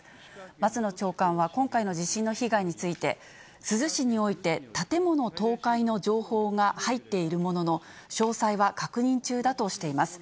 松野長官は今回の地震の被害について、珠洲市において、建物倒壊の情報が入っているものの、詳細は確認中だとしています。